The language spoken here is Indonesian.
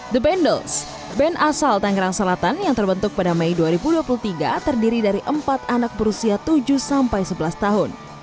the bundles band asal tangerang selatan yang terbentuk pada mei dua ribu dua puluh tiga terdiri dari empat anak berusia tujuh sampai sebelas tahun